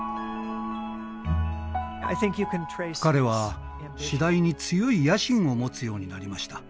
彼は次第に強い野心を持つようになりました。